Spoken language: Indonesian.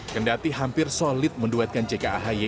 kendati hampir solid menduetkan jk ahy